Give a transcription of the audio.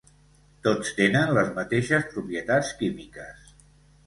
Tots tenen les mateixes propietats químiques.